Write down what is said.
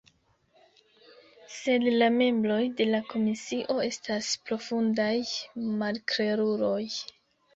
Sed la membroj de la komisio estas profundaj malkleruloj.